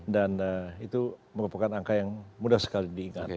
dan itu merupakan angka yang mudah sekali diingat